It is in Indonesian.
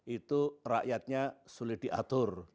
itu rakyatnya sulit diatur